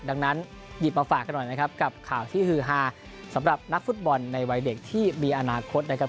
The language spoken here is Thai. ดังนั้นหยิบมาฝากกันหน่อยนะครับกับข่าวที่ฮือฮาสำหรับนักฟุตบอลในวัยเด็กที่มีอนาคตนะครับ